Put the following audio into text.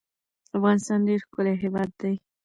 افغانستان ډیر ښکلی هیواد ده